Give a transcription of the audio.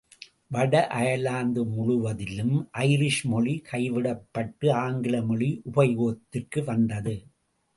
வட அயர்லாந்து முழுவதிலும் ஐரிஷ் மொழி கைவிடப்பட்டு ஆங்கில மொழி உபயோகத்திற்கு வந்தது.